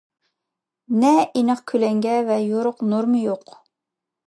نە ئېنىق كۆلەڭگە ۋە يورۇق نۇرمۇ يوق.